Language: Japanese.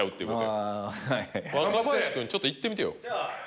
若林君ちょっと行ってみてよ。